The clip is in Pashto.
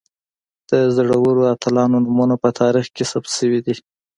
د زړورو اتلانو نومونه په تاریخ کې ثبت شوي دي.